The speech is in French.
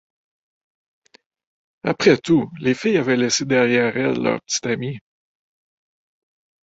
Après tout, les filles avaient laissé derrière elles leurs petits amis.